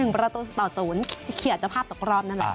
๑ประตูต่อ๐เขียนเจ้าภาพต่อกรอบนั่นแหละ